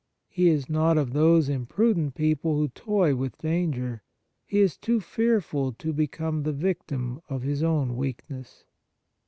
He is not of those imprudent people who toy with danger ; he is too fearful to become the victim of his own weakness.